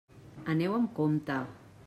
Aneu amb compte!